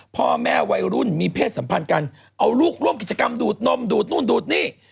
พ่อแม่วัยรุ่นมีเพศสัมพันธ์กันเอาลูกร่วมกิจกรรมดูดนมดูดนู่นดูดนี่